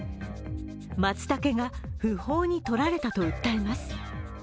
まつたけが不法に採られたと訴えます。